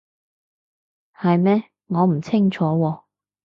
係咩？我唔清楚喎